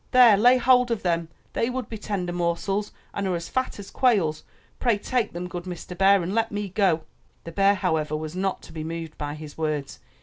There, lay hold of them ! They would be tender morsels and are as fat as quails — pray take them, good Mr. Bear, and let me go!'' The bear, however, was not to be moved by his words.